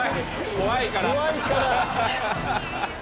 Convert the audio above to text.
怖いから。